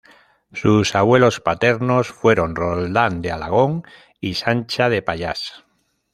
Sus abuelos paternos fueron Roldán de Alagón y Sancha de Pallás.